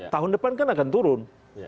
tahun depan kan akan turun